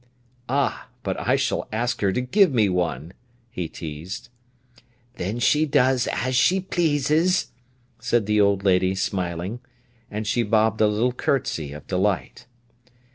"Ah, but I shall ask her to give me one!" he teased. "Then she does as she pleases," said the old lady, smiling. And she bobbed a little curtsey of delight.